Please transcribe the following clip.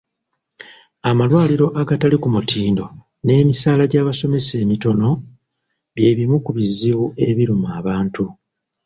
Amalwaliro agatali ku mutindo n’emisaala gy’abasomesa emitono bye bimu ku bizibu ebiruma abantu.